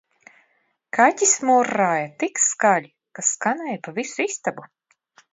Kaķis murrāja tik skaļi, ka skanēja pa visu istabu